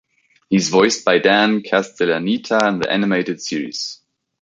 He is voiced by Dan Castellaneta in the animated series.